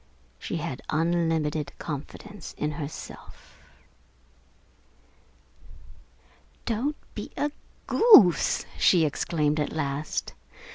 She had unlimited confidence in herself. "Don't be a goose!" she exclaimed at last.